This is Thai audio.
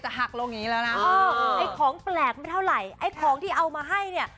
หักลงอย่างงี้แล้วนะเออไอ้ของแปลกไม่เท่าไหร่ไอ้ของที่เอามาให้เนี่ย